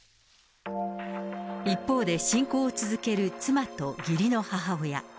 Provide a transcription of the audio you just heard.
一方で、信仰を続ける妻と義理の母親。